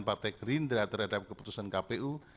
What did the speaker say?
partai gerindra terhadap keputusan kpu